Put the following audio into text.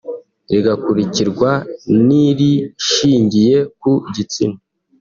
rigakurikirwa n’irishingiye ku gitsina